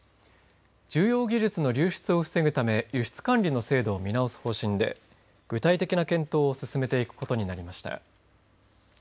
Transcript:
重要技術の流出を防ぐため輸出管理の制度を見直す方針で具体的な検討を進めていくことになりました。